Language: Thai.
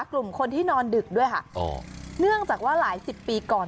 กลุ่มคนที่นอนดึกด้วยค่ะอ๋อเนื่องจากว่าหลายสิบปีก่อน